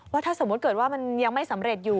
ถ้าสมมุติเกิดว่ามันยังไม่สำเร็จอยู่